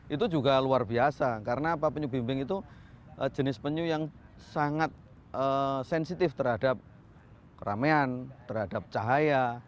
itu juga luar biasa karena apa penyu bimbing itu jenis penyu yang sangat sensitif terhadap keramaian terhadap cahaya